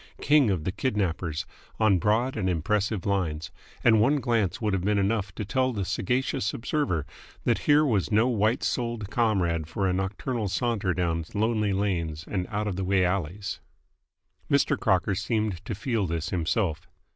King of the Kidnappers, on broad and impressive lines, and one glance would have been enough to tell the sagacious observer that here was no white souled comrade for a nocturnal saunter down lonely lanes and out of the way alleys. Mr. Crocker seemed to feel this himself.